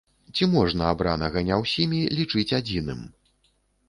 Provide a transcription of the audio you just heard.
Ці можна абранага не ўсімі лічыць адзіным?